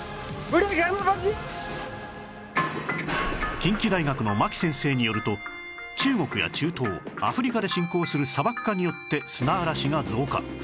近畿大学の牧先生によると中国や中東アフリカで進行する砂漠化によって砂嵐が増加